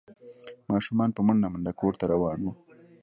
ماشومان په منډه منډه کور ته روان وو۔